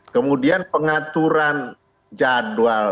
kemudian pengaturan jadwal